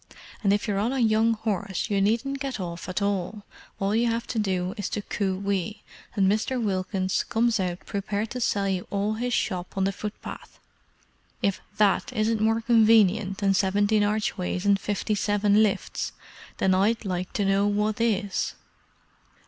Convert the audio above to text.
And if you're on a young horse you needn't get off at all—all you have to do is to coo ee, and Mr. Wilkins comes out prepared to sell you all his shop on the footpath. If that isn't more convenient than seventeen archways and fifty seven lifts, then I'd like to know what is!"